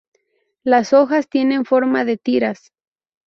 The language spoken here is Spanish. Las hojas tienen forma de tiras.